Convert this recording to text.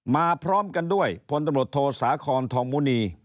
มาพร้อมกันด้วยผลตำรวจโทษสาครธรรมวินี